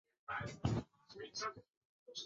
唐明宗